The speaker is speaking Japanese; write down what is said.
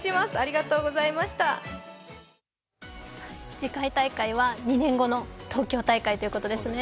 次回大会は２年後の東京大会ということですね。